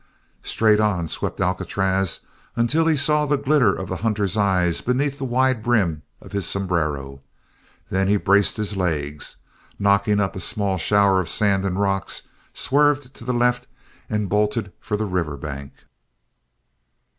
Straight on swept Alcatraz until he saw the glitter of the hunter's eyes beneath the wide brim of his sombrero then he braced his legs, knocking up a small shower of sand and rocks, swerved to the left, and bolted for the river bank.